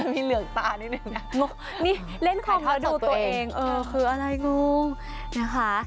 มีเหลืองตานิดนึงนะถ่ายทอดตัวเองเล่นของมาดูตัวเองเออคืออะไรงงนะคะ